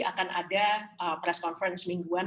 akan ada press conference mingguan